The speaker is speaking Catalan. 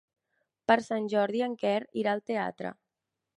Per Sant Jordi en Quer irà al teatre.